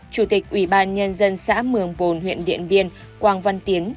chủ tịch ủy ban nhân dân xã mường bồn huyện điện biên quang văn tiến